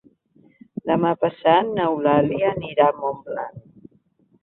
Demà passat n'Eulàlia anirà a Montblanc.